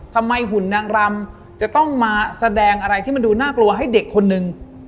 หุ่นนางรำจะต้องมาแสดงอะไรที่มันดูน่ากลัวให้เด็กคนนึง